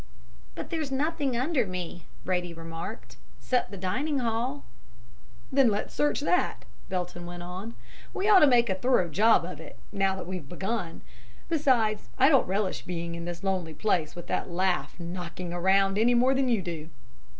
"'But there's nothing under me,' Brady remarked, 'except the Dining Hall.' "'Then let's search that,' Belton went on. 'We ought to make a thorough job of it now we've once begun. Besides, I don't relish being in this lonely place with that laugh "knocking" around, any more than you do.'